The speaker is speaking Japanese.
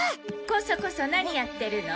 コソコソ何やってるの？